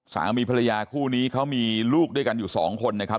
สามีภรรยาคู่นี้เขามีลูกด้วยกันอยู่สองคนนะครับ